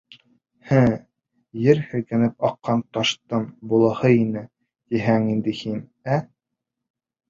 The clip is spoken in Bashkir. — Һе, ер һелкетеп аҡҡан ташҡын булаһы ине, тиһең инде һин, ә?